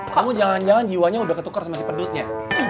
kamu jangan jangan jiwanya udah ketukar sama si pedutnya